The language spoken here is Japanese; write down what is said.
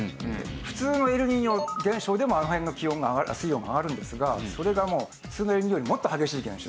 普通のエルニーニョ現象でもあの辺の水温が上がるんですがそれがもう普通のエルニーニョよりもっと激しい現象